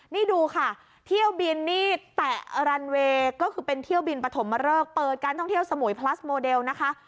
นี่ดูค่ะเที่ยวบินนี่แตะรันเวย์ก็คือเป็นเที่ยวบินปฐมเริกเปิดการท่องเที่ยวสมุยพลัสโมเดลนะคะ